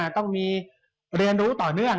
ต้องมีเรียนรู้ต่อเนื่อง